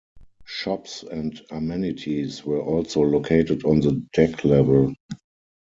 Shops and amenities were also located on the deck level.